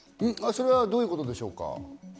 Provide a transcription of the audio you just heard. それはどういうことですか？